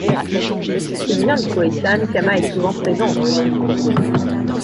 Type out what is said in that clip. S'il vient du khoïsan, kamma est souvent présent dans le nom du cours d'eau.